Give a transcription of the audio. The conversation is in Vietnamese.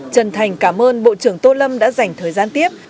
trần thành cảm ơn bộ trưởng tô lâm đã dành thời gian tiếp